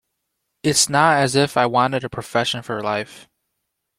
It's not as if I wanted a profession for life.